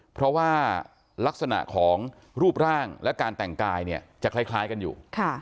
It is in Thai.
เพราะว่าลักษณะของรูปร่างและการแต่งกายเนี่ยจะคล้ายกันอยู่